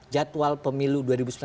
jadwal pemilu dua ribu sembilan belas